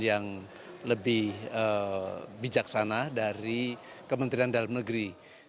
yang lebih bijaksana dari kementerian dalam negeri